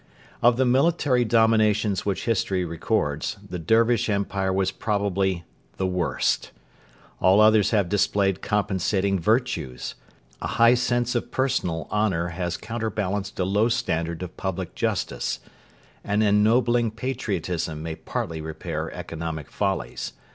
Of the military dominations which history records, the Dervish Empire was probably the worst. All others have displayed compensating virtues. A high sense of personal honour has counterbalanced a low standard of public justice. An ennobling patriotism may partly repair economic follies.